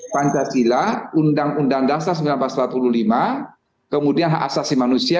pancasila undang undang dasar seribu sembilan ratus empat puluh lima kemudian hak asasi manusia